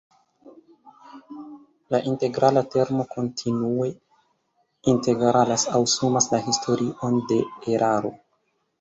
La integrala termo kontinue integralas aŭ sumas la historion de eraro.